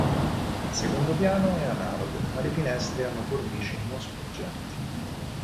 Il secondo piano è analogo, ma le finestre hanno cornici non sporgenti.